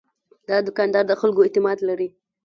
دا دوکاندار د خلکو اعتماد لري.